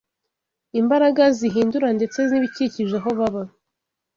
imbaraga zihindura ndetse n’ibikikije aho baba